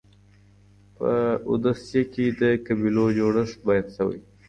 په اودیسه کي د قبیلو جوړښت بیان سوی دی.